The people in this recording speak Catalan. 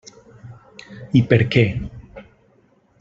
I per què.